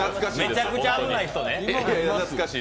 めちゃくちゃ危ない人ね。